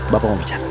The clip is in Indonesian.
bapak mau bicara